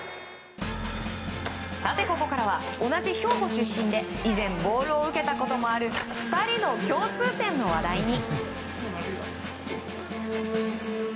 ここからは、同じ兵庫出身で以前ボールを受けたこともある２人の共通点の話題に。